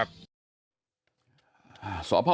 ไม่มีใครหายเนาะ